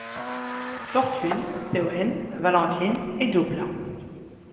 Fortune, Painwheel, Valentine et Double.